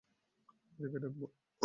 কোথা থেকে ডাকবো?